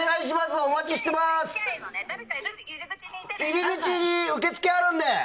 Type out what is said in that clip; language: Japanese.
入り口に受付あるので！